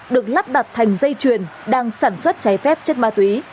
được lắp đặt thành dây truyền đang sản xuất trái phép chất ma túy